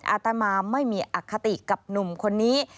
อาตมาไม่มีอคติกับหนุ่มคนนี้